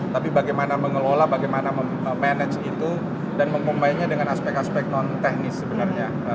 tapi bagaimana mengelola bagaimana memanage itu dan memainnya dengan aspek aspek non teknis sebenarnya